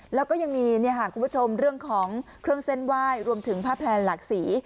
แล้วก็ยังมีคุณผู้ชมเรื่องของเครื่องเส้นไหว้รวมถึงผ้าแพลนหลากสี